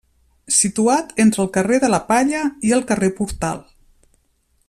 Situat entre el carrer de la Palla i el carrer Portal.